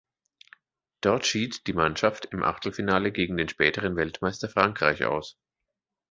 Dort schied die Mannschaft im Achtelfinale gegen den späteren Weltmeister Frankreich aus.